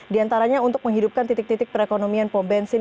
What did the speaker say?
diantaranya untuk menghidupkan titik titik perekonomian pom bensin